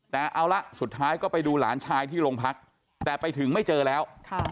แต่เอาละสุดท้ายก็ไปดูหลานชายที่โรงพักแต่ไปถึงไม่เจอแล้ว